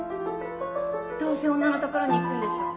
どうせ女のところに行くんでしょ。